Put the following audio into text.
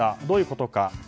どういうことか。